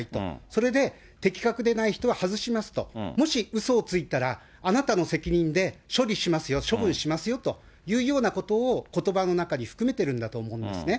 それで、的確でない人は外しますと、もしうそをついたら、あなたの責任で処理しますよ、処分しますよというようなことをことばの中に含めてるんだと思うんですね。